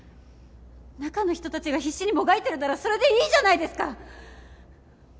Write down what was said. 中の人たちが必死にもがいてるならそれでいいじゃないですか！